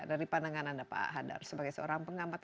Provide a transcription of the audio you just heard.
dari pandangan anda pak hadar sebagai seorang pengamat